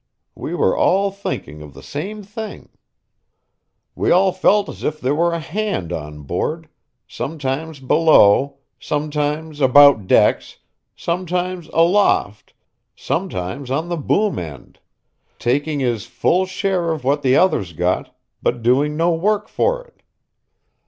We were all thinking of the same thing. We all felt as if there were a hand on board, sometimes below, sometimes about decks, sometimes aloft, sometimes on the boom end; taking his full share of what the others got, but doing no work for it.